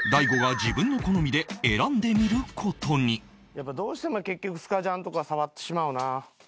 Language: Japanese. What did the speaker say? やっぱどうしても結局スカジャンとか触ってしまうな。